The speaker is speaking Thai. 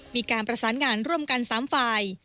มีการประสานงานร่วมกัน๓ฝ่าย